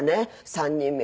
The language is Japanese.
３人目。